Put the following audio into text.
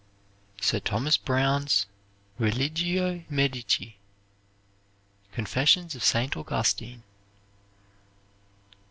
Sir Thomas Browne's "Religio Medici." "Confessions of St. Augustine."